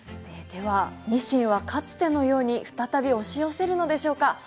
ではニシンはかつてのように再び押し寄せるのでしょうか？